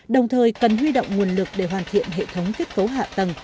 đồng thời cần huy động nguồn lực để hoàn thiện hệ thống kết cấu hạ tầng